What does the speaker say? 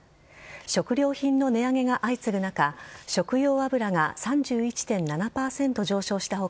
食料品の値上げが相次ぐ中食用油が３１．７％上昇した他